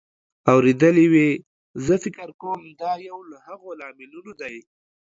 اورېدلې وې. زه فکر کوم دا یو له هغو لاملونو دی